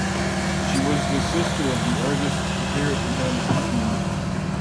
She was the sister of the artist Gerrit van Houten.